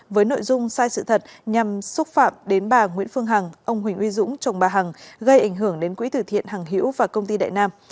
với nội dung sai sự thật nhằm xúc phạm đến bà nguyễn phương hằng ông huỳnh uy dũng chồng bà hằng gây ảnh hưởng đến quỹ tử thiện hằng hiễu và công ty đại nam